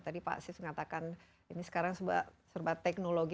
tadi pak sis mengatakan ini sekarang serba teknologi